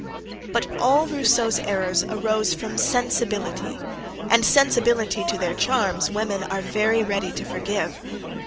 But all Rousseau's errors in reasoning arose from sensibility, and sensibility to their charms women are very ready to forgive!